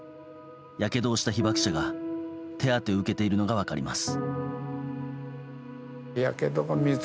やけどをした被爆者が手当てを受けているのが分かります。